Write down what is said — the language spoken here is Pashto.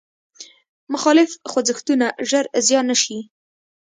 مخالف خوځښتونه ژر زیان نه شي.